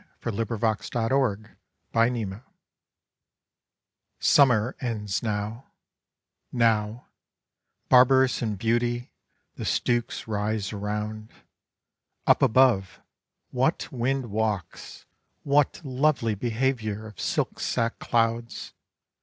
14 Hurrahing in Harvest SUMMER ends now; now, barbarous in beauty, the stooks rise Around; up above, what wind walks! what lovely behaviour Of silk sack clouds!